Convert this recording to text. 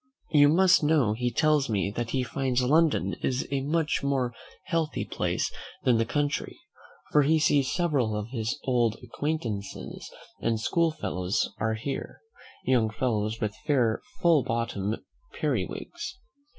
You must know he tells me that he finds London is a much more healthy place than the country, for he sees several of his old acquaintances and school fellows are here young fellows with fair full bottomed periwigs.